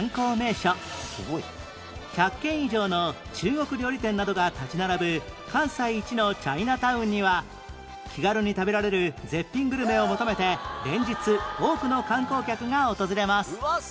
１００軒以上の中国料理店などが立ち並ぶ関西一のチャイナタウンには気軽に食べられる絶品グルメを求めて連日多くの観光客が訪れます